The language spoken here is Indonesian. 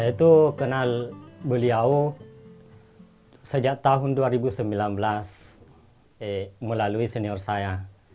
saya itu kenal beliau sejak tahun dua ribu sembilan belas melalui senior saya